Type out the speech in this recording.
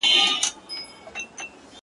ژونده ستا په غېږ کي زنګېدلم لا مي نه منل -